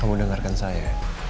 kamu dengarkan saya